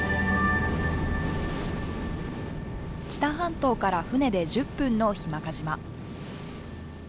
知多半島から船で１０分の日間賀島。